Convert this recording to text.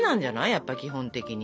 やっぱり基本的に。